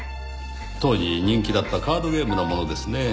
当時人気だったカードゲームのものですねぇ。